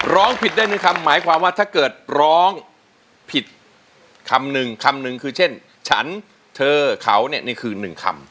ร้องผิดได้หนึ่งคำหมายความว่าถ้าเกิดร้องผิดคำหนึ่งคำหนึ่งคือเช่นฉันเธอเขาเนี่ยนี่คือหนึ่งคำ